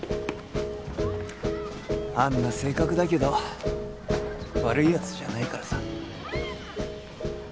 あんな性格だけど悪い奴じゃないからさ。